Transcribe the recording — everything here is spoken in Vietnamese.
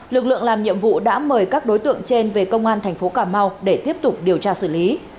lực lượng làm nhiệm vụ đã mời các đối tượng trên về công an thành phố cà mau để tiếp tục điều tra xử lý